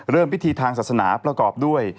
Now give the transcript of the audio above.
พิธีทางศาสนาประกอบด้วย